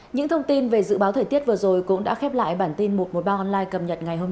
những thông tin về dự báo thời tiết vừa rồi cũng đã khép lại bản tin một trăm một mươi ba online cập nhật ngày hôm nay